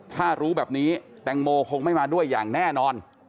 ถ้ารู้แบบนี้แตงโมคงไม่มาด้วยอย่างแน่นอน